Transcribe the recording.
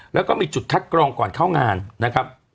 แล้วก็มีจุดคัดกรองก่อนเข้างานนะครับ